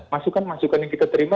masukan masukan yang kita terima